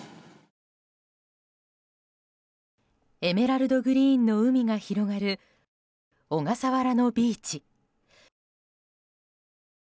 エメラルドグリーンの海が広がる小笠原のビーチ。